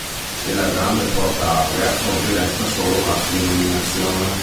Della grande "Porta aurea" oggi resta solo la denominazione.